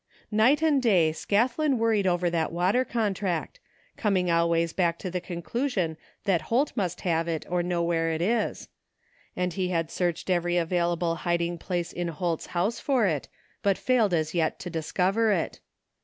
Night and day Scathlin worried over that water contract, coming always back to the conclusion that Holt must have it or know where it was ; and he had searched every available hiding place in Holt's house for it, but failed as yet to discover it.